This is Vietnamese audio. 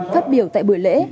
phát biểu tại buổi lễ